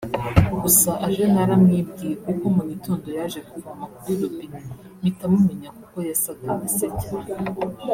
gusa aje naramwibwiye kuko mu gitondo yaje kuvoma kuri robinet mpita mumenya kuko yasaga na se cyane